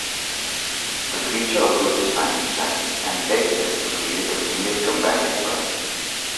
The creature approaches Frankenstein and begs him to create a female companion for him.